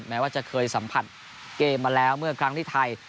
แม้ว่าจะเคยสัมผัสเกมมาแล้วเมื่อครั้งที่ไทย